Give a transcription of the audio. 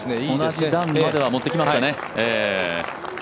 同じ段までは持ってきましたね。